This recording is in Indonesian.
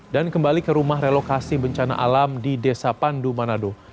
dan kembali ke rumah relokasi bencana alam di desa pandu manado